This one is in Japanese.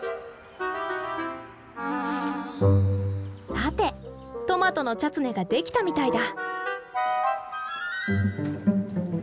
さてトマトのチャツネができたみたいだ。